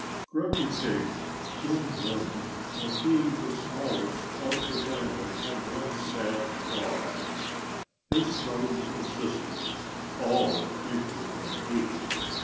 Grunty Pig soon learned that being the smallest of the family had one sad drawback. His brothers and sisters (all bigger than he!)